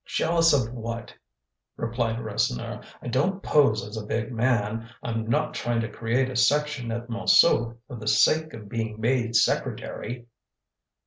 "Jealous of what?" replied Rasseneur. "I don't pose as a big man; I'm not trying to create a section at Montsou for the sake of being made secretary."